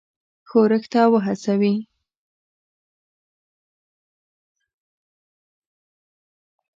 ښورښ ته وهڅوي.